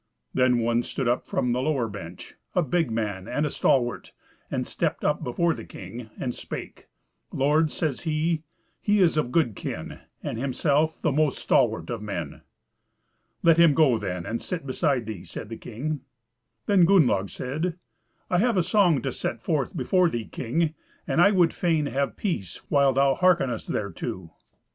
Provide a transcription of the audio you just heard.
Then one stood up from the lower bench, a big man and a stalwart, and stepped up before the king, and spake: "Lord," says he, "he is of good kin, and himself the most stalwart of men." "Let him go, then, and sit beside thee," said the king. Then Gunnlaug said, "I have a song to set forth before thee, king, and I would fain have peace while thou hearkenest thereto."